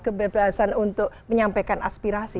kebebasan untuk menyampaikan aspirasi